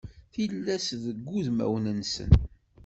Tillas deg wudmawen-nsen.